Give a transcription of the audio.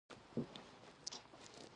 د نوي حکومت د جوړیدو لپاره